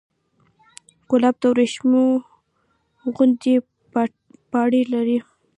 ګلاب د وریښمو غوندې پاڼې لري.